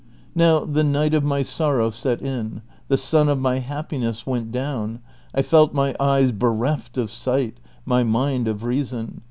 Now the night of my sorrow set in, the sun of my happiness went down, I felt my eyes bereft of sight, my mind of reason.